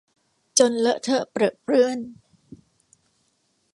จนเลอะเทอะเปรอะเปื้อน